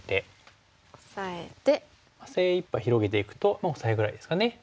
精いっぱい広げていくとオサエぐらいですかね。